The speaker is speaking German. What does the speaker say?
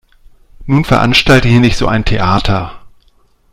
Nun veranstalte hier nicht so ein Theater.